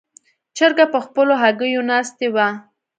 چرګه په خپلو هګیو ناستې وه.